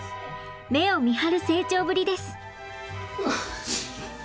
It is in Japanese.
目をみはる成長ぶりです。